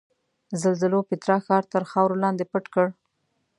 زلزلو پیترا ښار تر خاورو لاندې پټ کړ.